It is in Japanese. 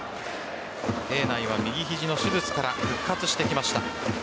平内は右肘の手術から復活してきました。